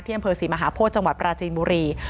อำเภอศรีมหาโพธิจังหวัดปราจีนบุรี